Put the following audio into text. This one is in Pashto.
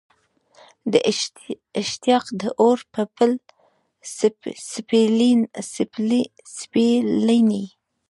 د اشتیاق د اور په پل سپېلني